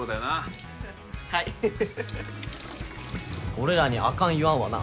俺らにあかん言わんわな